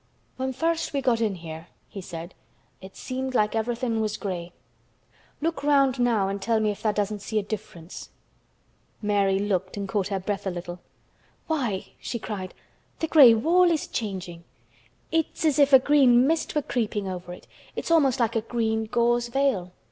"When first we got in here," he said, "it seemed like everything was gray. Look round now and tell me if tha' doesn't see a difference." Mary looked and caught her breath a little. "Why!" she cried, "the gray wall is changing. It is as if a green mist were creeping over it. It's almost like a green gauze veil."